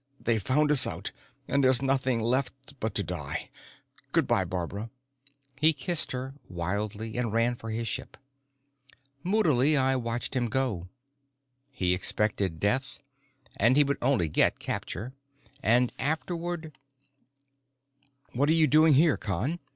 "They've found us out, and there's nothing left but to die. Good by, Barbara." He kissed her, wildly, and ran for his ship. Moodily, I watched him go. He expected death, and he would get only capture, and afterward "What are you doing here, Con?"